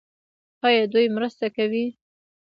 آیا دوی مرسته کوي؟